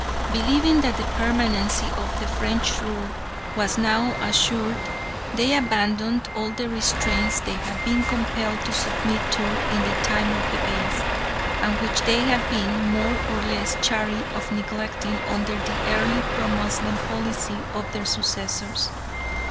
Believing that the permanency of French rule was now assured, they abandoned all the restraints they had been compelled to submit to in the time of the Beys, and which they had been more or less chary of neglecting under the early pro Moslem policy of their successors.